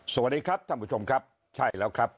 สวัสดีครับท่านผู้ชมครับใช่แล้วครับ